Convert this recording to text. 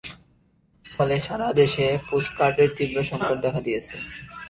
ফলে সারা দেশে পোস্টকার্ডের তীব্র সংকট দেখা দিয়েছে।